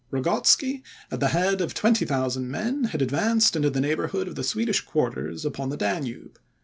Ragotzky, at the head of 25,000 men, had advanced into the neighbourhood of the Swedish quarters upon the Danube.